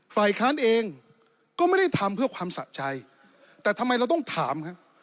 ฝ่ายค้านเองก็ไม่ได้ทำเพื่อความสะใจแต่ทำไมเราต้องถามครับ